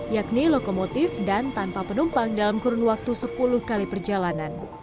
yakni lokomotif dan tanpa penumpang dalam kurun waktu sepuluh kali perjalanan